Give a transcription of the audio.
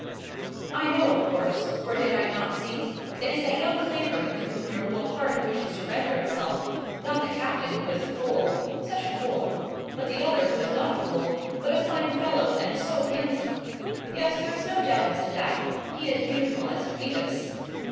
I know, of course, for did I not see? It is that young Clavering to whom your little heart wishes to render itself; not the captain who is a fool, such a fool! but the other who is not a fool, but a fine fellow; and so handsome! Yes; there is no doubt as to that. He is beautiful as a Phoebus.